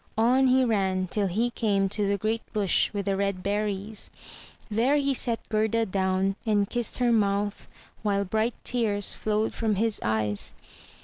On he ran till he came to the great bush with the red berries; there he set Gerda down, and kissed her mouth, while bright tears flowed from his eyes.